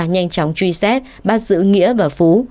nhanh chóng truy xét bắt giữ nghĩa và phú